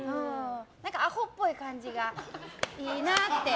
アホっぽい感じがいいなって。